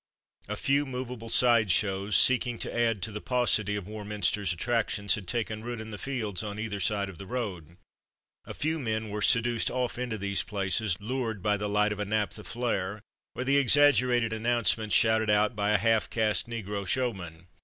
A few movable side shows, seeking to add to the paucity of Warminster's attractions, had taken root in the fields on either side of 7\' ciui[>fcixAv % itu^TW^ the road. A few men were seduced off into these places, lured by the light of a naphtha flare, or the exaggerated announcements shouted out by a half caste negro showman.